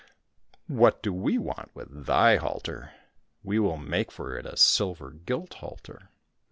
—" What do we want with thy halter } We will make for it a silver gilt halter.